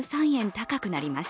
高くなります。